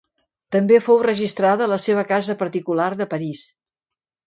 També fou registrada la seva casa particular de París.